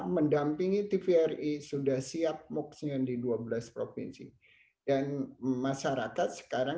mendampingi tvri sudah siap mooksin di dua belas provinsi dan masyarakat sekarang